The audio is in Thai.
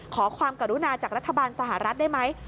ขอความกรุณาจากรัฐบาลสหรัฐได้ไหม